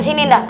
ke sini dong